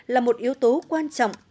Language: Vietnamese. là một yếu tố quan trọng